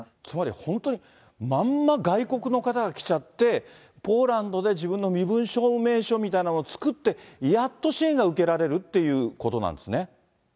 つまり本当に、まんま、外国の方が来ちゃって、ポーランドで自分の身分証明書みたいなのを作って、やっと支援が受けられるっていうことなんですね。